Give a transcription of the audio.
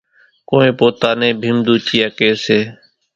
ڪونئين پوتا نين ڀيمۮوچيئا ڪيَ سي۔